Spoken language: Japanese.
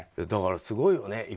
だからすごいよね。